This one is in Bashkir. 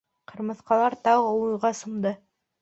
Ҡырмыҫҡалар тағы уйға сумды.